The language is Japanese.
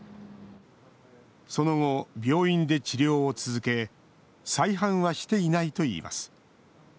その後、病院で治療を続け再犯はしていないといいます。